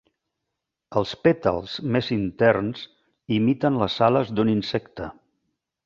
Els pètals més interns imiten les ales d'un insecte.